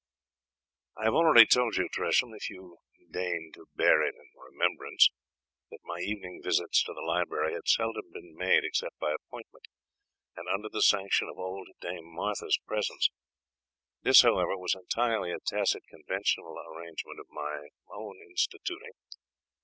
I have already told you, Tresham, if you deign to bear it in remembrance, that my evening visits to the library had seldom been made except by appointment, and under the sanction of old Dame Martha's presence. This, however, was entirely a tacit conventional arrangement of my own instituting.